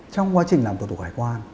trong quá trình làm tổng cục hải quan